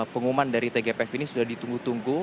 pengumuman dari tgpf ini sudah ditunggu tunggu